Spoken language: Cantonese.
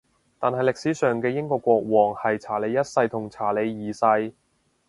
但係歷史上嘅英國國王係查理一世同查理二世